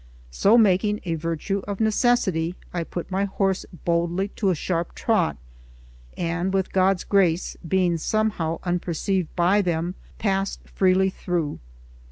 So, making a virtue of necessity, I put my horse boldly to a sharp trot, and with God's grace, being somehow unperceived by them, passed freely through.